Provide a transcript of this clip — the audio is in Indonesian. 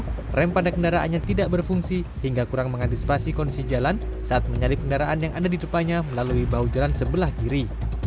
karena rem pada kendaraannya tidak berfungsi hingga kurang mengantisipasi kondisi jalan saat menyalip kendaraan yang ada di depannya melalui bahu jalan sebelah kiri